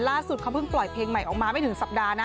ล่าสุดเขาเพิ่งปล่อยเพลงใหม่ออกมาไม่ถึงสัปดาห์นะ